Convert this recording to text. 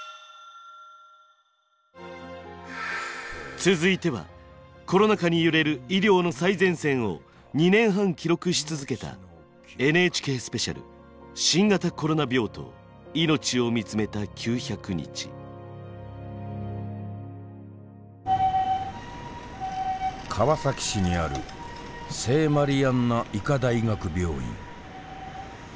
続いてはコロナ禍に揺れる医療の最前線を２年半記録し続けた川崎市にある聖マリアンナ医科大学病院。